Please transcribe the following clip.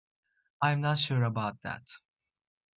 I'm not sure about that.